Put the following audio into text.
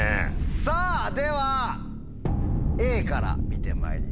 さぁではＡから見てまいりましょう。